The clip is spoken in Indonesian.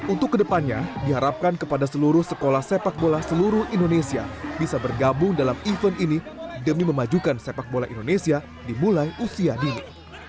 untuk kedepannya diharapkan kepada seluruh sekolah sepak bola seluruh indonesia bisa bergabung dalam event ini demi memajukan sepak bola indonesia dimulai usia dini